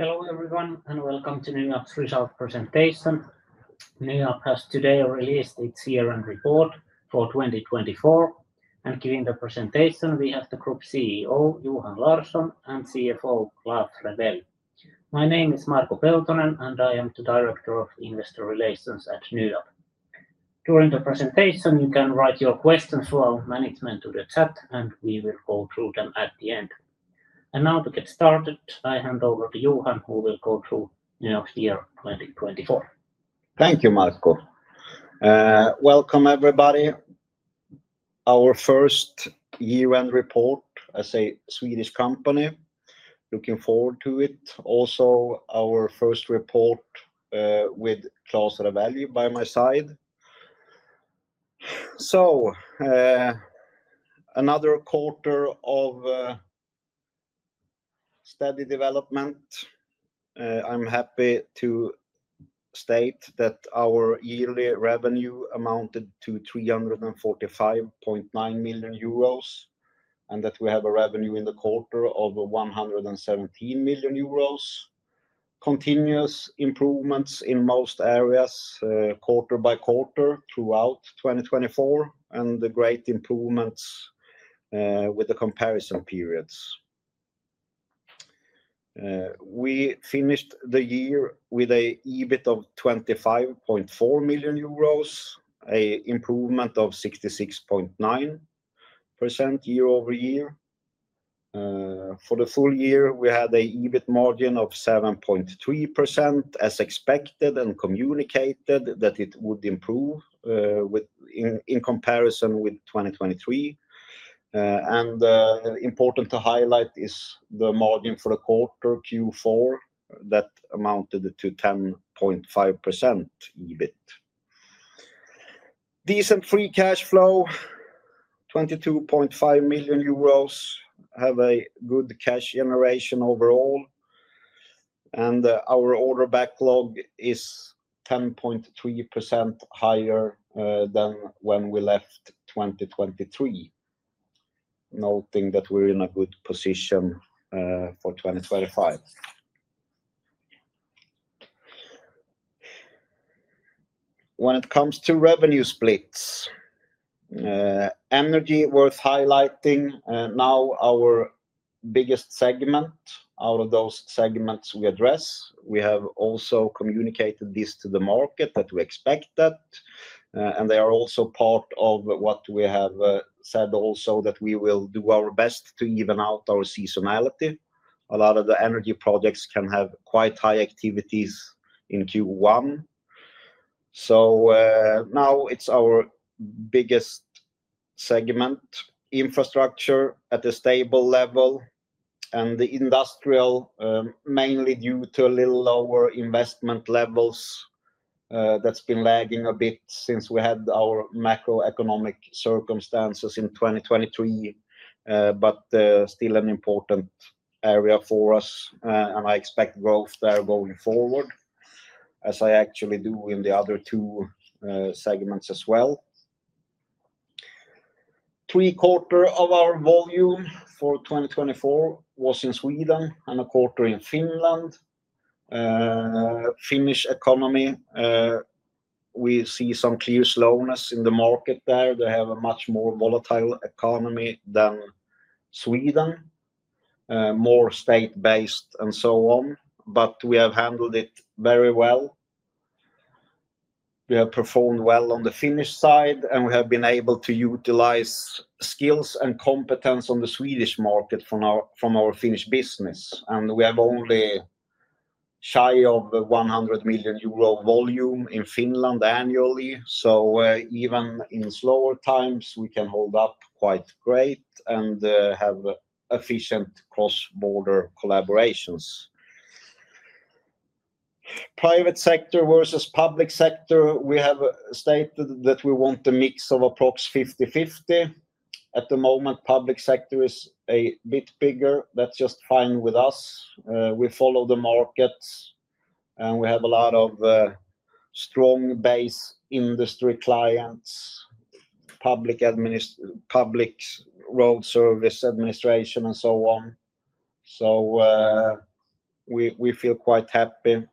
Hello everyone and welcome to NYAB's result presentation. NYAB has today released its year-end report for 2024, and giving the presentation, we have the Group CEO, Johan Larsson, and CFO, Klas Rewelj. My name is Marko Peltonen, and I am the Director of Investor Relations at NYAB. During the presentation, you can write your questions for our management to the chat, and we will go through them at the end. Now to get started, I hand over to Johan, who will go through NYAB's year 2024. Thank you, Marko. Welcome everybody. Our first year-end report as a Swedish company. Looking forward to it. Also our first report with Klas Rewelj by my side. So another quarter of steady development. I'm happy to state that our yearly revenue amounted to 345.9 million euros and that we have a revenue in the quarter of 117 million euros. Continuous improvements in most areas, quarter by quarter throughout 2024, and great improvements with the comparison periods. We finished the year with an EBIT of 25.4 million euros, an improvement of 66.9% year-over-year. For the full year, we had an EBIT margin of 7.3%, as expected and communicated that it would improve in comparison with 2023. And important to highlight is the margin for the quarter Q4 that amounted to 10.5% EBIT. Decent free cash flow, 22.5 million euros, have a good cash generation overall. Our order backlog is 10.3% higher than when we left 2023, noting that we're in a good position for 2025. When it comes to revenue splits, energy worth highlighting now our biggest segment out of those segments we address. We have also communicated this to the market that we expect that. They are also part of what we have said also that we will do our best to even out our seasonality. A lot of the energy projects can have quite high activities in Q1. Now it's our biggest segment, Infrastructure at a stable level. The Industrial, mainly due to a little lower investment levels, that's been lagging a bit since we had our macroeconomic circumstances in 2023, but still an important area for us. I expect growth there going forward, as I actually do in the other two segments as well. Three quarters of our volume for 2024 was in Sweden and a quarter in Finland. In the Finnish economy, we see some clear slowness in the market there. They have a much more volatile economy than Sweden, more state-based and so on. But we have handled it very well. We have performed well on the Finnish side, and we have been able to utilize skills and competence on the Swedish market from our Finnish business. And we have only shy of 100 million euro volume in Finland annually. So even in slower times, we can hold up quite great and have efficient cross-border collaborations. Private sector versus public sector, we have stated that we want a mix of approximately 50/50. At the moment, public sector is a bit bigger. That's just fine with us. We follow the markets, and we have a lot of strong base industry clients, Swedish Transport Administration, and so on, so we feel quite happy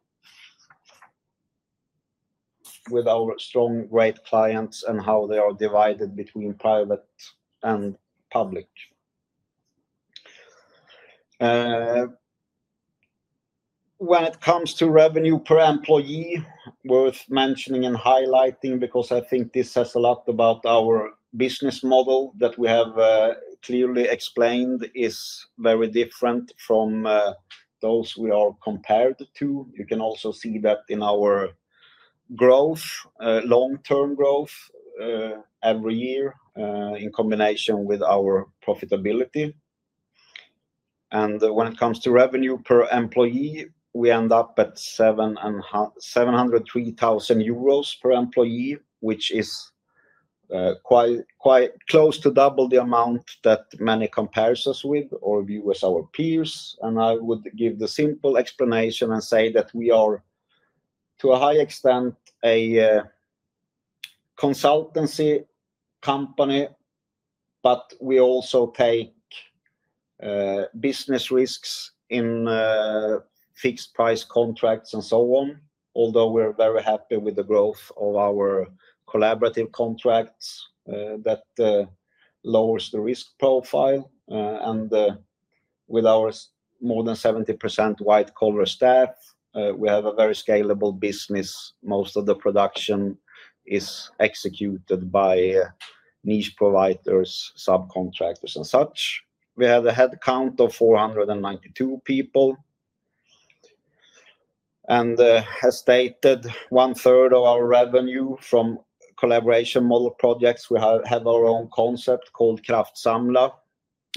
with our strong great clients and how they are divided between private and public. When it comes to revenue per employee, worth mentioning and highlighting, because I think this says a lot about our business model that we have clearly explained, is very different from those we are compared to. You can also see that in our growth, long-term growth every year in combination with our profitability, and when it comes to revenue per employee, we end up at 703,000 euros per employee, which is quite close to double the amount that many compare us with or view as our peers. I would give the simple explanation and say that we are, to a high extent, a consulting company, but we also take business risks in fixed price contracts and so on. Although we're very happy with the growth of our collaborative contracts that lowers the risk profile. And with our more than 70% white-collar staff, we have a very scalable business. Most of the production is executed by niche providers, subcontractors, and such. We have a headcount of 492 people. And as stated, one third of our revenue from collaboration model projects, we have our own concept called Kraftsamla.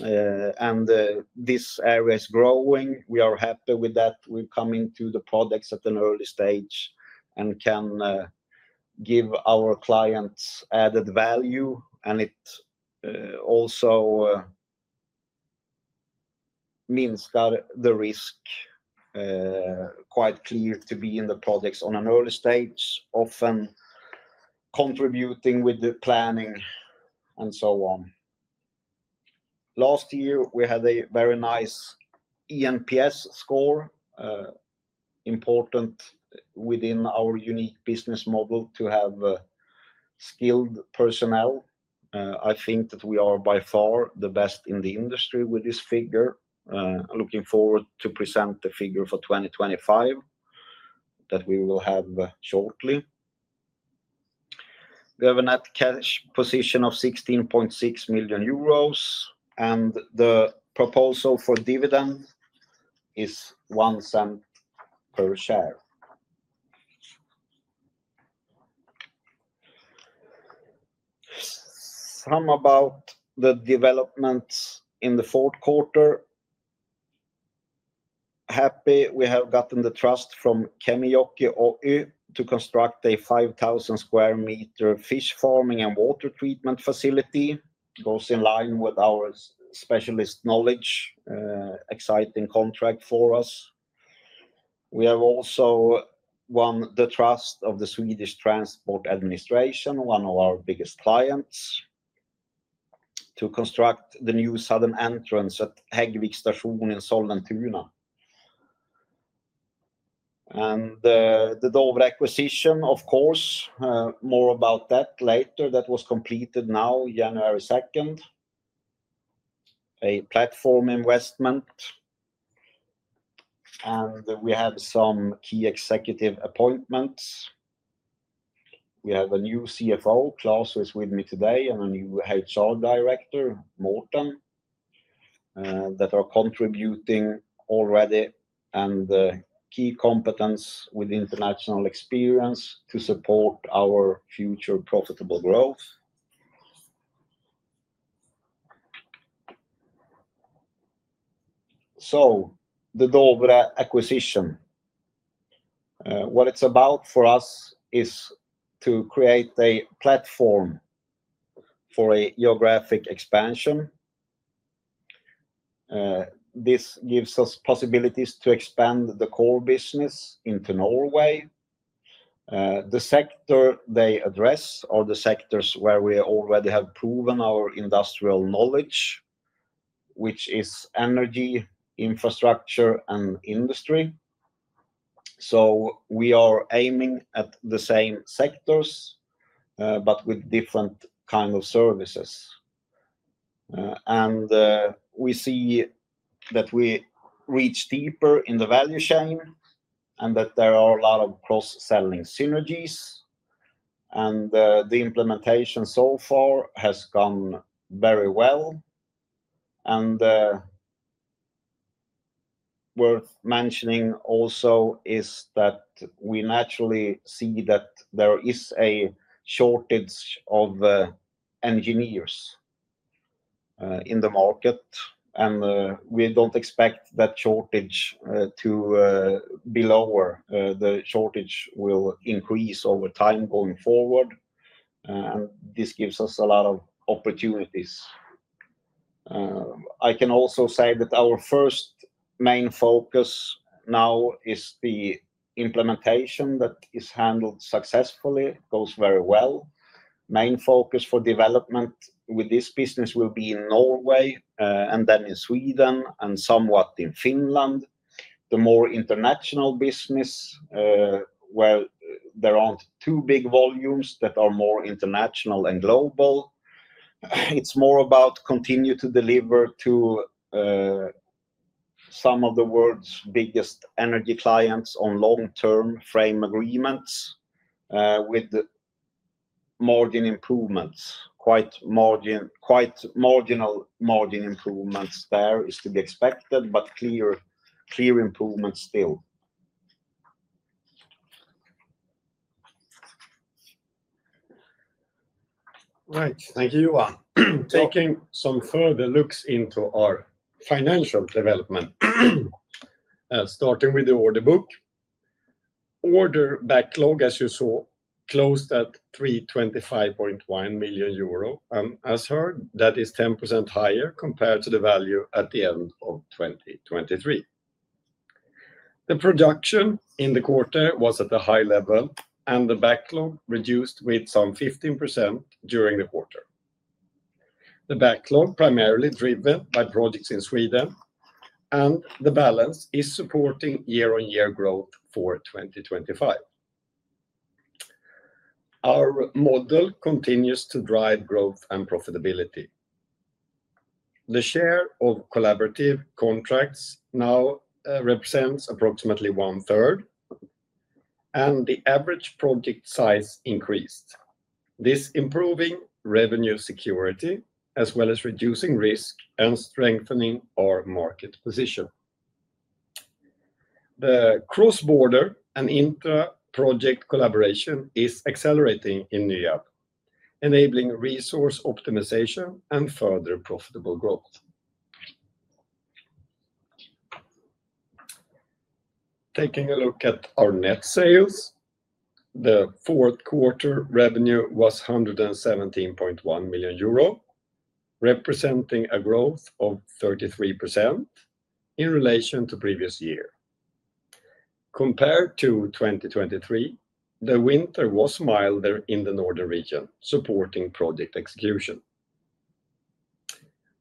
And this area is growing. We are happy with that. We're coming to the projects at an early stage and can give our clients added value. It also means the risk quite clear to be in the projects on an early stage, often contributing with the planning and so on. Last year, we had a very nice eNPS score, important within our unique business model to have skilled personnel. I think that we are by far the best in the industry with this figure. Looking forward to present the figure for 2025 that we will have shortly. We have a net cash position of 16.6 million euros, and the proposal for dividend is 0.01 per share. Now about the developments in the fourth quarter. We are happy we have gotten the trust from Kemijoki Oy to construct a 5,000 sq m fish farming and water treatment facility. It goes in line with our specialist knowledge. Exciting contract for us. We have also won the trust of the Swedish Transport Administration, one of our biggest clients, to construct the new southern entrance at Häggvik Station in Sollentuna. And the Dovre acquisition, of course, more about that later. That was completed now, January 2nd. A platform investment. And we have some key executive appointments. We have a new CFO, Klas, who is with me today, and a new HR Director, Mårten, that are contributing already and key competence with international experience to support our future profitable growth. So the Dovre acquisition. What it's about for us is to create a platform for a geographic expansion. This gives us possibilities to expand the core business into Norway. The sector they address are the sectors where we already have proven our industrial knowledge, which is Energy, Infrastructure, and Industry. So we are aiming at the same sectors, but with different kinds of services. And we see that we reach deeper in the value chain and that there are a lot of cross-selling synergies. And the implementation so far has gone very well. And worth mentioning also is that we naturally see that there is a shortage of engineers in the market. And we don't expect that shortage to be lower. The shortage will increase over time going forward. And this gives us a lot of opportunities. I can also say that our first main focus now is the implementation that is handled successfully. It goes very well. Main focus for development with this business will be in Norway and then in Sweden and somewhat in Finland. The more international business where there aren't too big volumes that are more international and global. It's more about continuing to deliver to some of the world's biggest energy clients on long-term frame agreements with margin improvements. Quite marginal margin improvements there is to be expected, but clear improvements still. Right. Thank you, Johan. Taking some further looks into our financial development, starting with the order book. Order backlog, as you saw, closed at 325.1 million euro, and as heard, that is 10% higher compared to the value at the end of 2023. The production in the quarter was at a high level, and the backlog reduced with some 15% during the quarter. The backlog primarily driven by projects in Sweden, and the balance is supporting year-on-year growth for 2025. Our model continues to drive growth and profitability. The share of collaborative contracts now represents approximately one third, and the average project size increased. This improving revenue security, as well as reducing risk and strengthening our market position. The cross-border and intra-project collaboration is accelerating in NYAB, enabling resource optimization and further profitable growth. Taking a look at our net sales, the fourth quarter revenue was 117.1 million euro, representing a growth of 33% in relation to previous year. Compared to 2023, the winter was milder in the northern region, supporting project execution.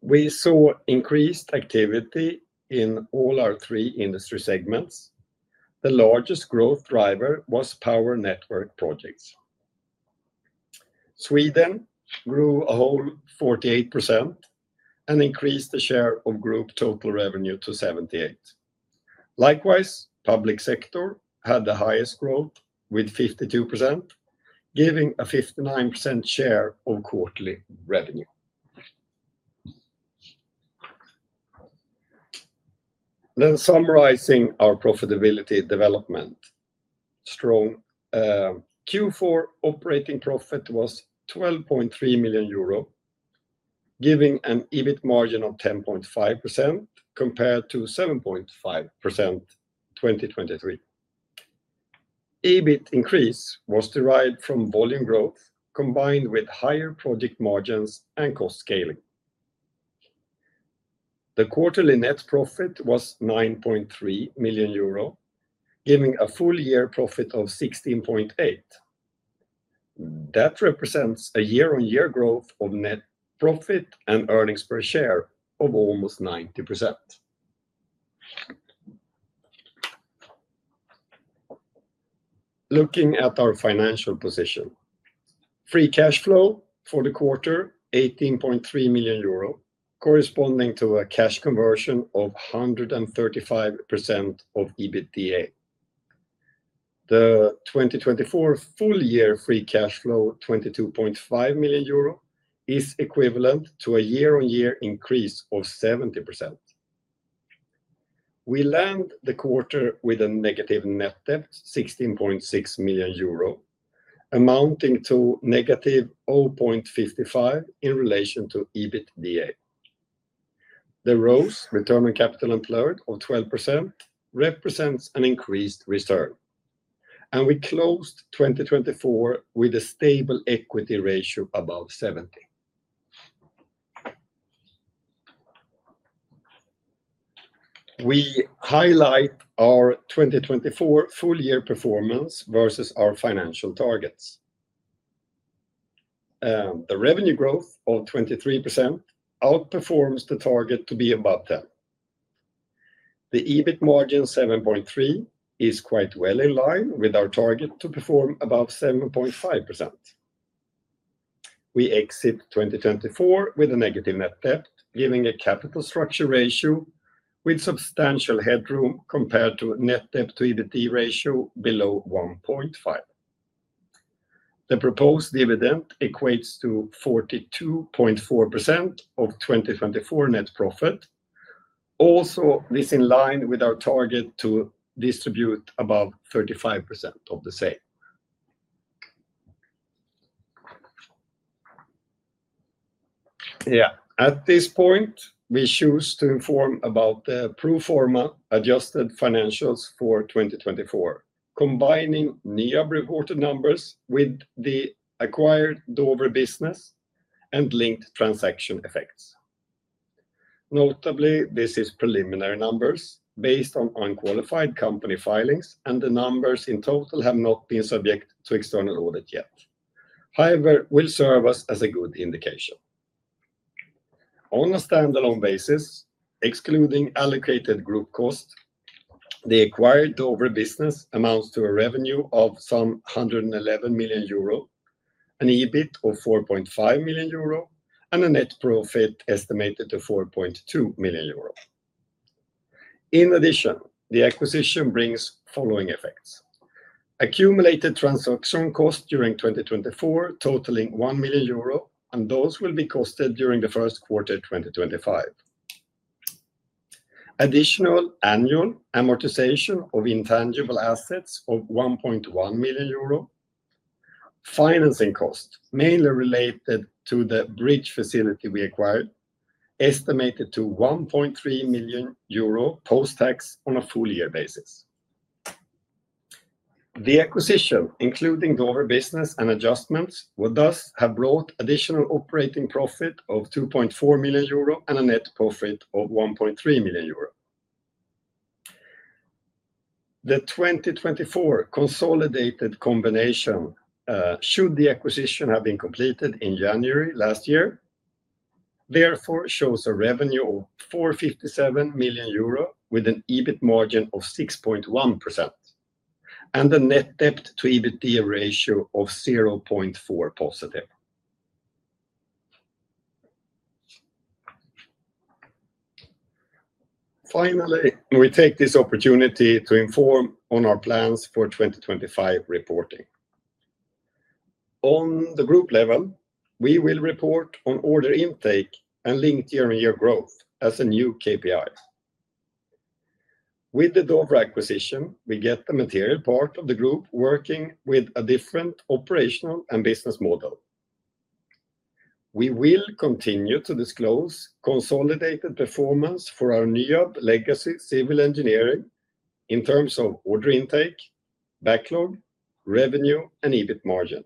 We saw increased activity in all our three industry segments. The largest growth driver was power network projects. Sweden grew a whole 48% and increased the share of group total revenue to 78%. Likewise, public sector had the highest growth with 52%, giving a 59% share of quarterly revenue. Then summarizing our profitability development, strong Q4 operating profit was 12.3 million euro, giving an EBIT margin of 10.5% compared to 7.5% in 2023. EBIT increase was derived from volume growth combined with higher project margins and cost scaling. The quarterly net profit was 9.3 million euro, giving a full year profit of 16.8%. That represents a year-on-year growth of net profit and earnings per share of almost 90%. Looking at our financial position, free cash flow for the quarter, 18.3 million euro, corresponding to a cash conversion of 135% of EBITDA. The 2024 full year free cash flow, 22.5 million euro, is equivalent to a year-on-year increase of 70%. We land the quarter with a negative net debt, 16.6 million euro, amounting to negative 0.55 in relation to EBITDA. The ROCE, return on capital employed, of 12% represents an increased return. We closed 2024 with a stable equity ratio above 70%. We highlight our 2024 full year performance versus our financial targets. The revenue growth of 23% outperforms the target to be about 10%. The EBIT margin 7.3% is quite well in line with our target to perform above 7.5%. We exit 2024 with a negative net debt, giving a capital structure ratio with substantial headroom compared to net debt to EBITDA ratio below 1.5. The proposed dividend equates to 42.4% of 2024 net profit. Also, this is in line with our target to distribute above 35% of the same. Yeah. At this point, we choose to inform about the pro forma adjusted financials for 2024, combining NYAB reported numbers with the acquired Dovre business and linked transaction effects. Notably, this is preliminary numbers based on unqualified company filings, and the numbers in total have not been subject to external audit yet. However, it will serve us as a good indication. On a standalone basis, excluding allocated group cost, the acquired Dovre business amounts to a revenue of some 111 million euro, an EBIT of 4.5 million euro EUR, and a net profit estimated to 4.2 million euro. In addition, the acquisition brings following effects. Accumulated transaction costs during 2024 totaling 1 million euro, and those will be costed during the first quarter of 2025. Additional annual amortization of intangible assets of 1.1 million euro. Financing costs mainly related to the bridge facility we acquired, estimated to 1.3 million euro post-tax on a full year basis. The acquisition, including Dovre business and adjustments, would thus have brought additional operating profit of 2.4 million euro and a net profit of 1.3 million euro. The 2024 consolidated combination, should the acquisition have been completed in January last year, therefore shows a revenue of 457 million euro with an EBIT margin of 6.1% and a net debt to EBITDA ratio of 0.4 positive. Finally, we take this opportunity to inform on our plans for 2025 reporting. On the group level, we will report on order intake and linked year-on-year growth as a new KPI. With the Dovre acquisition, we get the material part of the group working with a different operational and business model. We will continue to disclose consolidated performance for our NYAB legacy civil engineering in terms of order intake, backlog, revenue, and EBIT margin.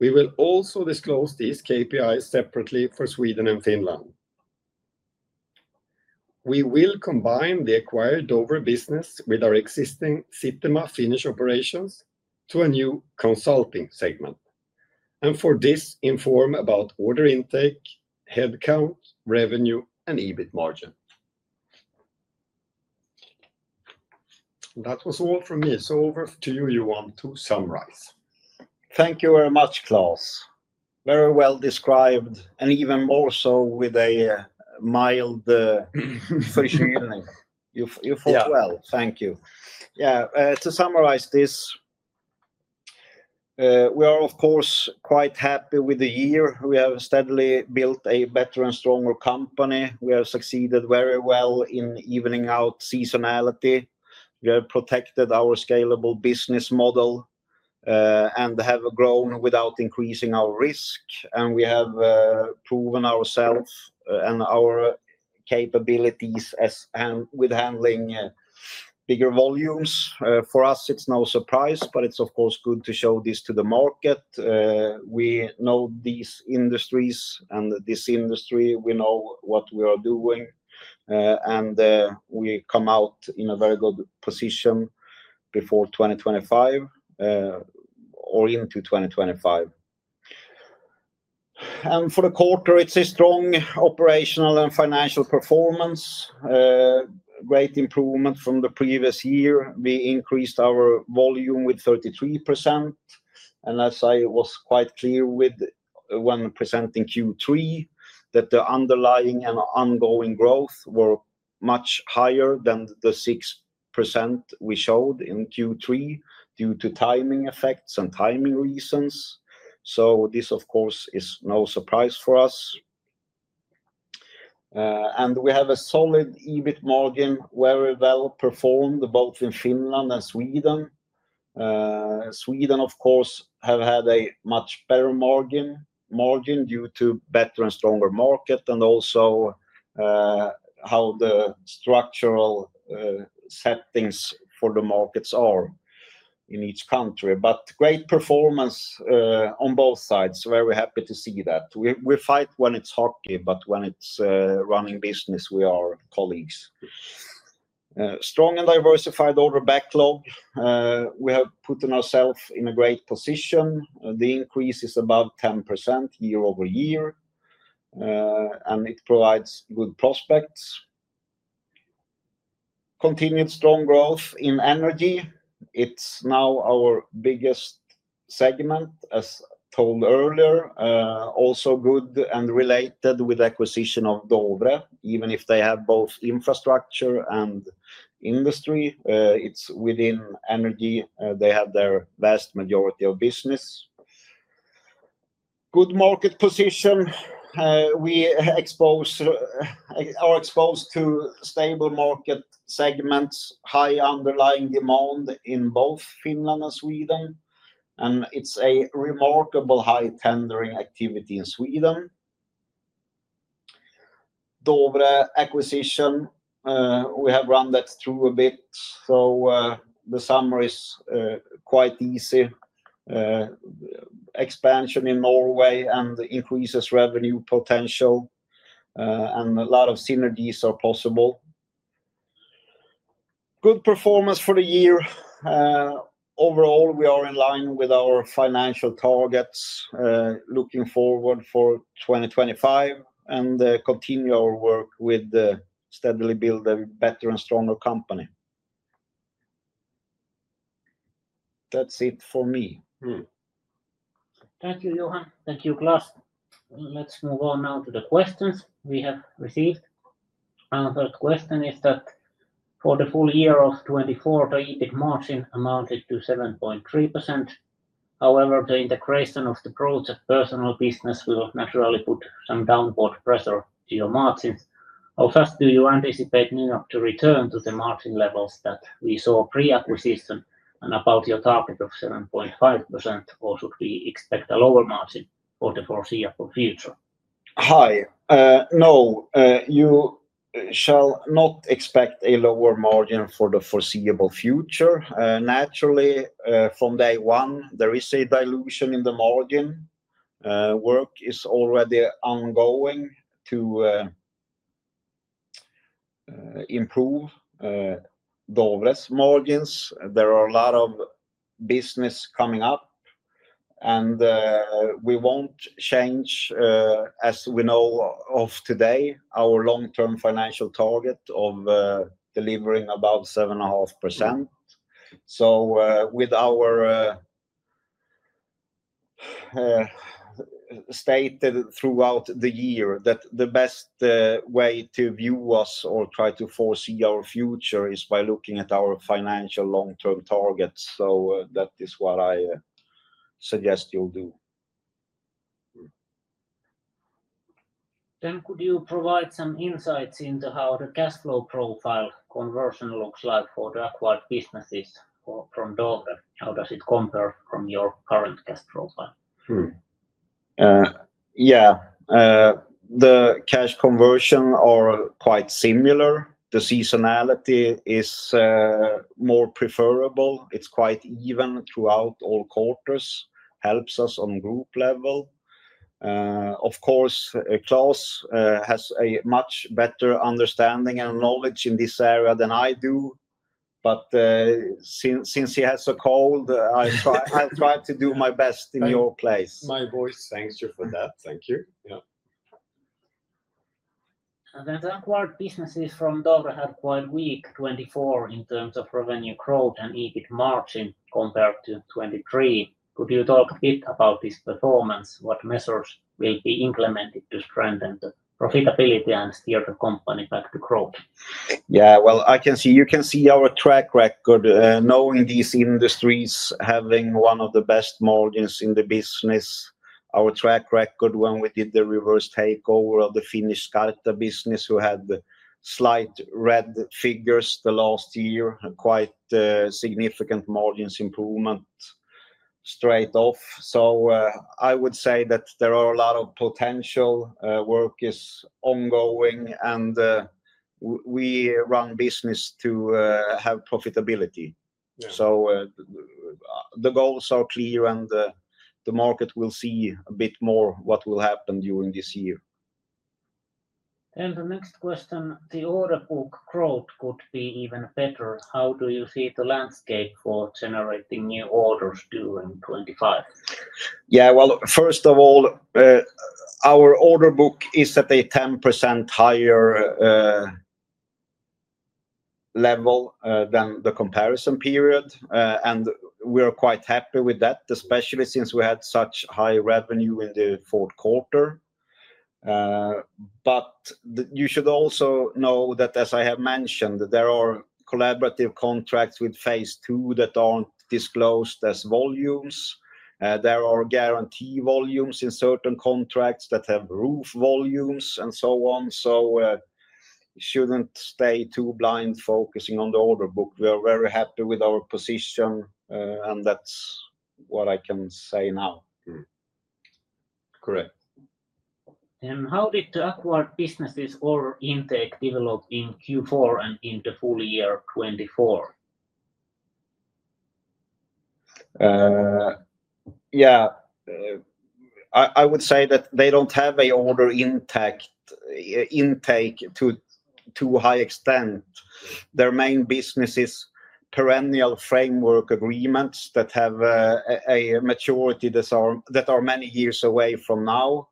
We will also disclose these KPIs separately for Sweden and Finland. We will combine the acquired Dovre business with our existing Sitema Finnish operations to a new consulting segment. And for this, inform about order intake, headcount, revenue, and EBIT margin. That was all from me. So over to you, Johan, to summarize. Thank you very much, Klas. Very well described and even more so with a mild fishy feeling. You fought well. Thank you. Yeah. To summarize this, we are, of course, quite happy with the year. We have steadily built a better and stronger company. We have succeeded very well in evening out seasonality. We have protected our scalable business model and have grown without increasing our risk, and we have proven ourselves and our capabilities with handling bigger volumes. For us, it's no surprise, but it's, of course, good to show this to the market. We know these industries and this industry. We know what we are doing, and we come out in a very good position before 2025 or into 2025, and for the quarter, it's a strong operational and financial performance. Great improvement from the previous year. We increased our volume with 33%. And as I was quite clear with when presenting Q3, that the underlying and ongoing growth were much higher than the 6% we showed in Q3 due to timing effects and timing reasons. So this, of course, is no surprise for us. And we have a solid EBIT margin, very well performed both in Finland and Sweden. Sweden, of course, has had a much better margin due to better and stronger market and also how the structural settings for the markets are in each country. But great performance on both sides. Very happy to see that. We fight when it's hockey, but when it's running business, we are colleagues. Strong and diversified order backlog. We have put ourselves in a great position. The increase is above 10% year-over-year, and it provides good prospects. Continued strong growth in energy. It's now our biggest segment, as told earlier. Also good and related with acquisition of Dovre. Even if they have both Infrastructure and Industry, it's within Energy they have their vast majority of business. Good market position. We are exposed to stable market segments, high underlying demand in both Finland and Sweden. And it's a remarkably high tendering activity in Sweden. Dovre acquisition, we have run that through a bit. So the summary is quite easy. Expansion in Norway and increases revenue potential and a lot of synergies are possible. Good performance for the year. Overall, we are in line with our financial targets, looking forward for 2025 and continue our work to steadily build a better and stronger company. That's it for me. Thank you, Johan. Thank you, Klas. Let's move on now to the questions we have received. Our first question is that for the full year of 2024, the EBIT margin amounted to 7.3%. However, the integration of the project personnel business will naturally put some downward pressure to your margins. How fast do you anticipate NYAB to return to the margin levels that we saw pre-acquisition and about your target of 7.5%, or should we expect a lower margin for the foreseeable future? Hi. No, you shall not expect a lower margin for the foreseeable future. Naturally, from day one, there is a dilution in the margin. Work is already ongoing to improve Dovre's margins. There are a lot of business coming up, and we won't change, as we know of today, our long-term financial target of delivering about 7.5%. So, as we've stated throughout the year, that the best way to view us or try to foresee our future is by looking at our financial long-term targets. So that is what I suggest you'll do. Then could you provide some insights into how the cash flow profile conversion looks like for the acquired businesses from Dovre? How does it compare from your current cash profile? Yeah. The cash conversions are quite similar. The seasonality is more preferable. It's quite even throughout all quarters. Helps us on group level. Of course, Klas has a much better understanding and knowledge in this area than I do. But since he has a cold, I'll try to do my best in your place. My voice. Thank you for that. Thank you. Yeah. The acquired businesses from Dovre had quite weak 2024 in terms of revenue growth and EBIT margin compared to 2023. Could you talk a bit about this performance? What measures will be implemented to strengthen the profitability and steer the company back to growth? Yeah. Well, I can see you can see our track record knowing these industries having one of the best margins in the business. Our track record when we did the reverse takeover of the Finnish Skarta business, who had slight red figures the last year, quite significant margins improvement straight off. So I would say that there are a lot of potential. Work is ongoing, and we run business to have profitability. So the goals are clear, and the market will see a bit more what will happen during this year. And the next question, the order book growth could be even better. How do you see the landscape for generating new orders during 2025? Yeah. Well, first of all, our order book is at a 10% higher level than the comparison period. And we are quite happy with that, especially since we had such high revenue in the fourth quarter. But you should also know that, as I have mentioned, there are collaborative contracts with phase two that aren't disclosed as volumes. There are guarantee volumes in certain contracts that have roof volumes and so on. So shouldn't stay too blind focusing on the order book. We are very happy with our position, and that's what I can say now. Correct. And how did the acquired businesses or intake develop in Q4 and in the full year 2024? Yeah. I would say that they don't have an order intake to high extent. Their main business is perennial framework agreements that have a maturity that are many years away from now.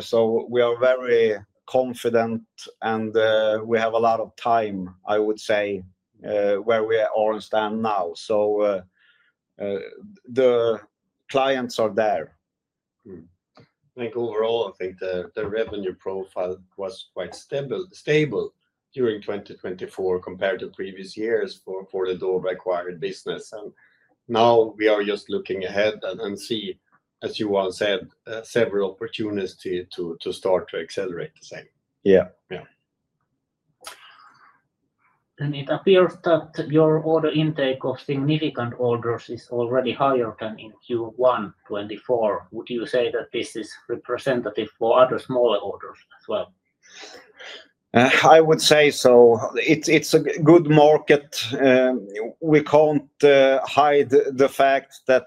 So we are very confident, and we have a lot of time, I would say, where we are and stand now. So the clients are there. I think overall, I think the revenue profile was quite stable during 2024 compared to previous years for the Dovre acquired business. Now we are just looking ahead and see, as Johan said, several opportunities to start to accelerate the same. Yeah. It appears that your order intake of significant orders is already higher than in Q1 2024. Would you say that this is representative for other smaller orders as well? I would say so. It's a good market. We can't hide the fact that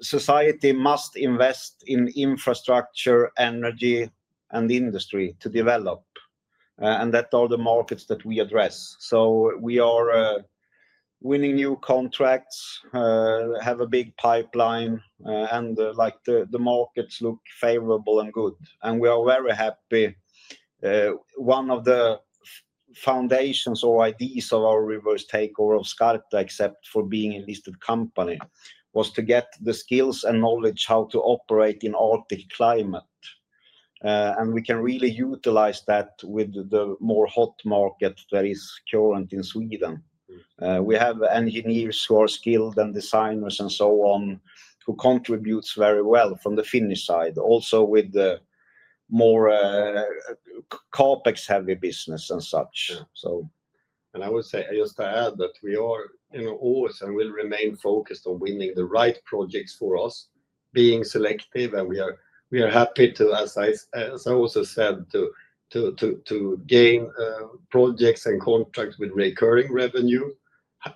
society must invest in Infrastructure, Energy, and Industry to develop, and that are the markets that we address. So we are winning new contracts, have a big pipeline, and the markets look favorable and good. We are very happy. One of the foundations or ideas of our reverse takeover of Skarta, except for being a listed company, was to get the skills and knowledge how to operate in Arctic climate. And we can really utilize that with the more hot market that is current in Sweden. We have engineers who are skilled and designers and so on, who contribute very well from the Finnish side, also with the more CapEx-heavy business and such. And I would say just to add that we are always and will remain focused on winning the right projects for us, being selective. And we are happy to, as I also said, to gain projects and contracts with recurring revenue,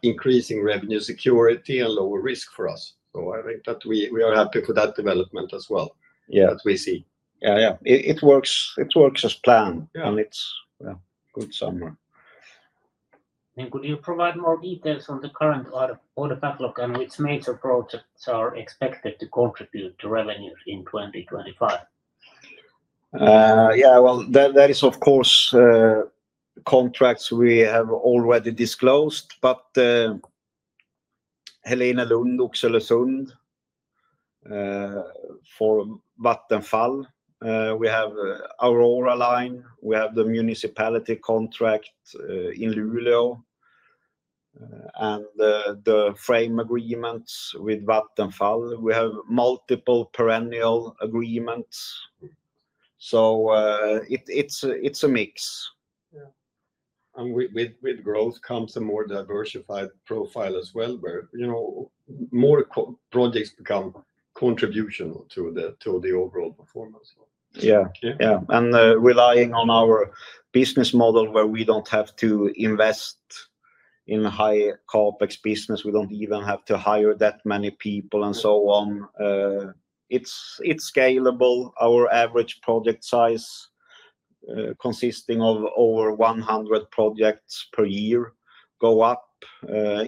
increasing revenue security, and lower risk for us. So I think that we are happy for that development as well that we see. Yeah. Yeah. It works as planned, and it's a good summer. And could you provide more details on the current order backlog and which major projects are expected to contribute to revenues in 2025? Yeah. There is, of course, contracts we have already disclosed, but Helenelund, Oxelösund, for Vattenfall. We have Aurora Line. We have the municipality contract in Luleå and the framework agreements with Vattenfall. We have multiple framework agreements. It's a mix. Yeah. With growth comes a more diversified profile as well, where more projects become contribution to the overall performance. Yeah. Yeah. Relying on our business model where we don't have to invest in high CapEx business, we don't even have to hire that many people and so on. It's scalable. Our average project size consisting of over 100 projects per year goes up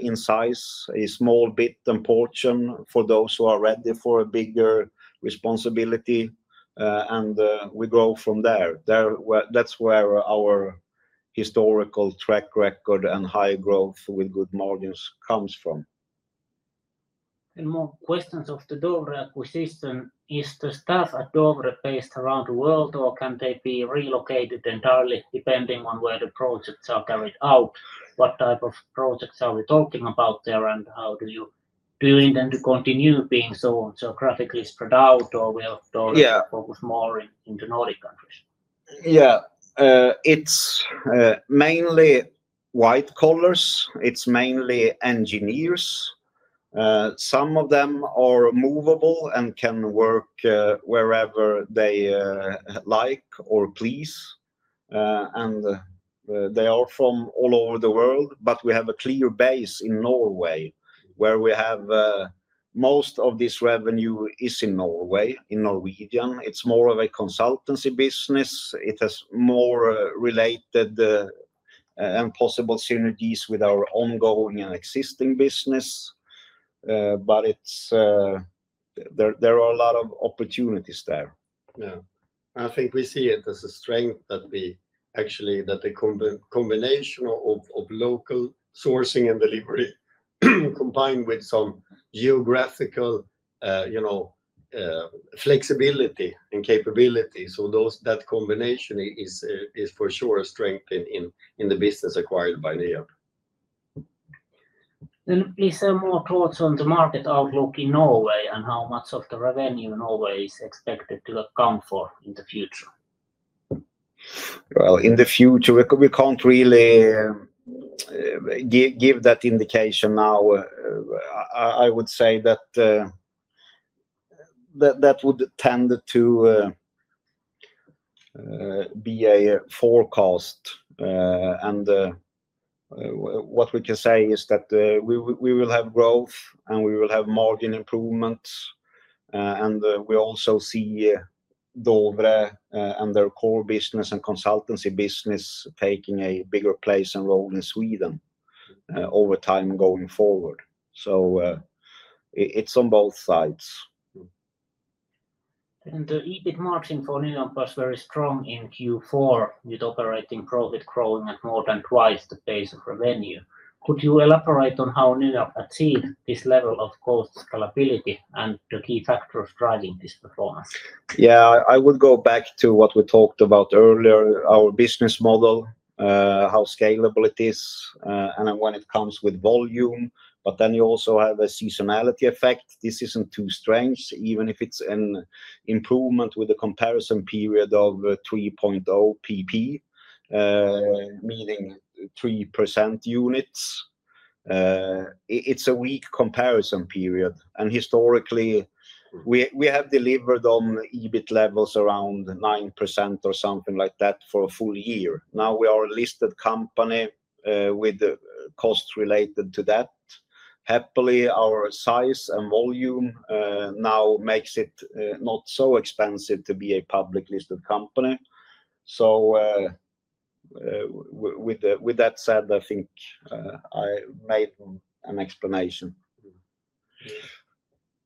in size, a small bit and portion for those who are ready for a bigger responsibility. We grow from there. That's where our historical track record and high growth with good margins comes from. More questions of the Dovre acquisition. Is the staff at Dovre based around the world, or can they be relocated entirely depending on where the projects are carried out? What type of projects are we talking about there, and how do you intend to continue being so geographically spread out, or will Dovre focus more into Nordic countries? Yeah. It's mainly white collars. It's mainly engineers. Some of them are movable and can work wherever they like or please. And they are from all over the world, but we have a clear base in Norway where we have most of this revenue is in Norway, in Norwegian. It's more of a consultancy business. It has more related and possible synergies with our ongoing and existing business. But there are a lot of opportunities there. Yeah. I think we see it as a strength that, actually, the combination of local sourcing and delivery combined with some geographical flexibility and capability. So that combination is for sure a strength in the business acquired by NYAB. Then please say more thoughts on the market outlook in Norway and how much of the revenue Norway is expected to account for in the future. Well, in the future, we can't really give that indication now. I would say that that would tend to be a forecast. And what we can say is that we will have growth, and we will have margin improvements. And we also see Dovre and their core business and consultancy business taking a bigger place and role in Sweden over time going forward. So it's on both sides. The EBIT margin for NYAB was very strong in Q4 with operating profit growing at more than twice the base of revenue. Could you elaborate on how NYAB achieved this level of cost scalability and the key factors driving this performance? Yeah. I would go back to what we talked about earlier, our business model, how scalable it is, and when it comes with volume, but then you also have a seasonality effect. This isn't too strange, even if it's an improvement with a comparison period of 3.0 PP, meaning 3% units. It's a weak comparison period. Historically, we have delivered on EBIT levels around 9% or something like that for a full year. Now we are a listed company with costs related to that. Happily, our size and volume now makes it not so expensive to be a public listed company. With that said, I think I made an explanation.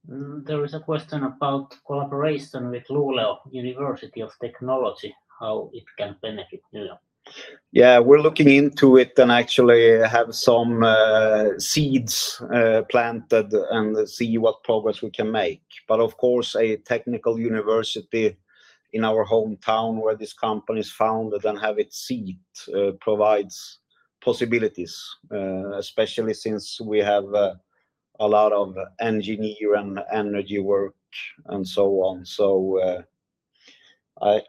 There is a question about collaboration with Luleå University of Technology, how it can benefit NYAB? Yeah. We're looking into it and actually have some seeds planted and see what progress we can make. But of course, a technical university in our hometown where this company is founded and have its seat provides possibilities, especially since we have a lot of engineering and energy work and so on.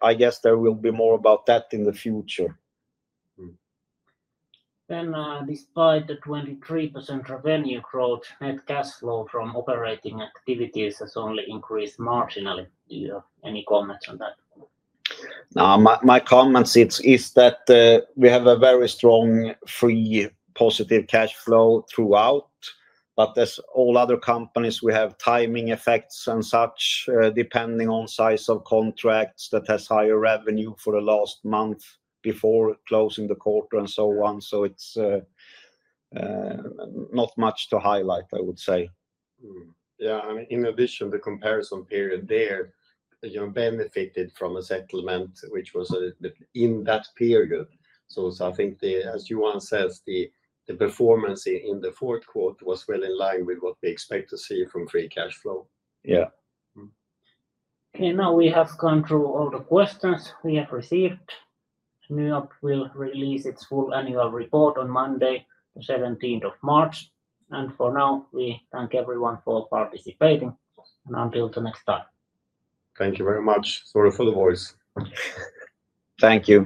I guess there will be more about that in the future. Then despite the 23% revenue growth, net cash flow from operating activities has only increased marginally. Do you have any comments on that? My comment is that we have a very strong free, positive cash flow throughout, but as all other companies, we have timing effects and such depending on size of contracts that has higher revenue for the last month before closing the quarter and so on. So it's not much to highlight, I would say. Yeah. I mean, in addition, the comparison period there benefited from a settlement, which was in that period. So I think, as Johan says, the performance in the fourth quarter was well in line with what we expect to see from free cash flow. Yeah. Okay. Now we have gone through all the questions we have received. NYAB will release its full annual report on Monday, the 17th of March. And for now, we thank everyone for participating. And until the next time. Thank you very much. Sorry for the voice. Thank you.